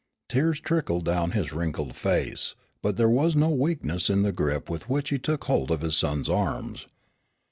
Tears trickled down his wrinkled face, but there was no weakness in the grip with which he took hold of his son's arms.